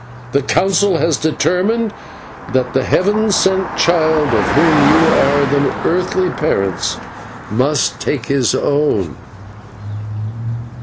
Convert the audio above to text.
The Council has determined that the heaven sent child, of whom you are the earthly parents, must take his own."